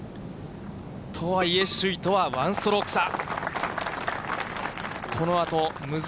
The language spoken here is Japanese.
とはいえ、首位とは１ストローク差。